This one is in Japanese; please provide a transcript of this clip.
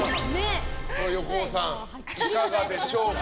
これ、横尾さんいかがでしょうか？